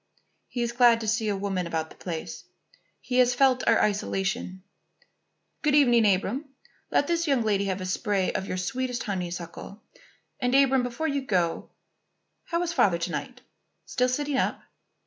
"He is glad to see a woman about the place. He has felt our isolation Good evening, Abram. Let this young lady have a spray of your sweetest honeysuckle. And, Abram, before you go, how is Father to night? Still sitting up?"